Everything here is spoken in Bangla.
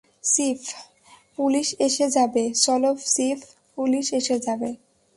চিফ, পুলিশ এসে যাবে, চলো চিফ, পুলিশ এসে যাবে।